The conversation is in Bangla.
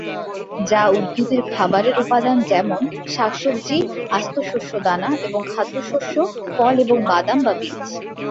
যা উদ্ভিদের খাবারের উপাদান, যেমন- শাকসবজি, আস্ত শস্যদানা এবং খাদ্যশস্য, ফল এবং বাদাম বা বীজ।